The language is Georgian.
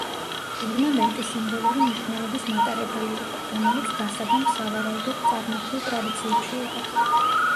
ორნამენტი სიმბოლური მნიშვნელობის მატარებელი იყო, რომელიც დასაბამს სავარაუდოდ წარმართულ ტრადიციებში იღებს.